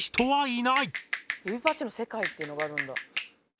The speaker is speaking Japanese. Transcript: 指パッチンの世界っていうのがあるんだ。